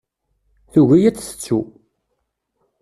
Tugi ad t-tettu.